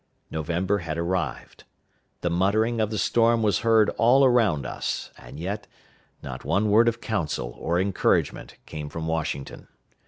November had arrived. The muttering of the storm was heard all around us, and yet not one word of counsel or encouragement came from Washington.